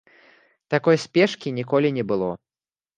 Такой спешкі ніколі не было.